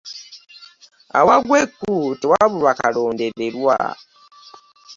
Awagwa ekku tewabula kalondererwa .